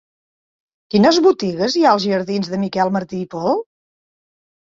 Quines botigues hi ha als jardins de Miquel Martí i Pol?